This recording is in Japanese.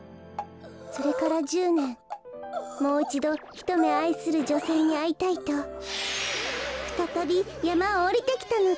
それから１０ねんもういちどひとめあいするじょせいにあいたいとふたたびやまをおりてきたのです。